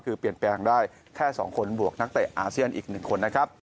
คือเปลี่ยนแปลงได้แค่๒คนบวกนักเตะอาเซียนอีก๑คนนะครับ